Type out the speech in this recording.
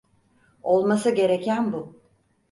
Olması gereken bu.